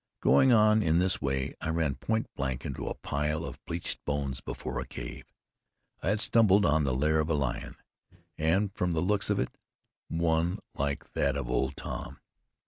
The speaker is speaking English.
Going on in this way, I ran point blank into a pile of bleached bones before a cave. I had stumbled on the lair of a lion and from the looks of it one like that of Old Tom.